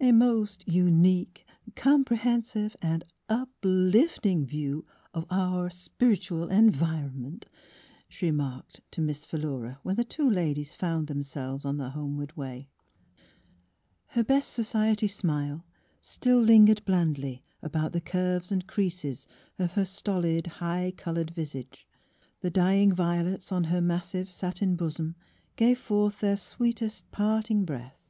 ''A most unique, comprehensive and uplifting view of our spiritual environ ment," she remarked to Miss Philura when the two ladies found themselves on their homeward way. He. best soci 26 Miss Philura ety smile still lingered blandly about the curves and creases of her stolid, high colored vis age; the dying violets on her massive satin bosom gave forth their sweetest parting breath.